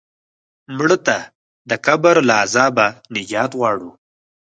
مړه ته د قبر له عذابه نجات غواړو